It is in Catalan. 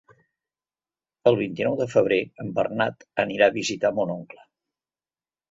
El vint-i-nou de febrer en Bernat anirà a visitar mon oncle.